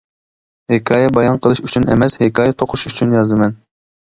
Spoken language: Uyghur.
ھېكايە بايان قىلىش ئۈچۈن ئەمەس، ھېكايە توقۇش ئۈچۈن يازىمەن.